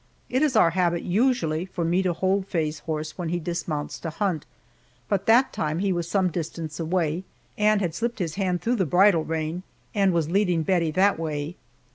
It is our habit usually for me to hold Faye's horse when he dismounts to hunt, but that time he was some distance away, and had slipped his hand through the bridle rein and was leading Bettie that way.